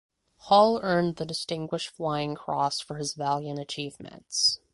Hall earned the Distinguished Flying Cross for his valiant achievements.